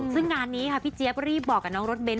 ซึ่งงานนี้ค่ะพี่เจี๊ยบรีบบอกกับน้องรถเบนท